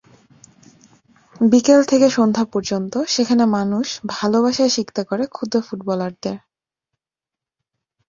বিকেল থেকে সন্ধ্যা পর্যন্ত সেখানে মানুষ ভালোবাসায় সিক্ত করে খুদে ফুটবলারদের।